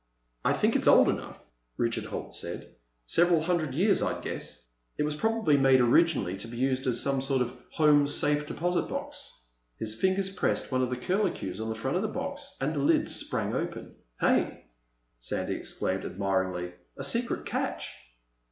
"I think it's old enough," Richard Holt said. "Several hundred years, I'd guess. It was probably made originally to be used as a sort of home safe deposit box." His finger pressed one of the curlicues on the front of the box and the lid sprang open. "Hey!" Sandy exclaimed admiringly. "A secret catch!"